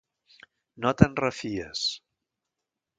No te'n refies.